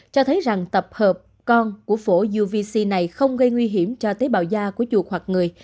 cho thấy rằng tập hợp con của phổc này không gây nguy hiểm cho tế bào da của chuột hoặc người